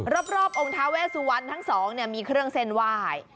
รอบองค์ท้าเวสวันทั้งสองเนี่ยมีเครื่องเส้นวาย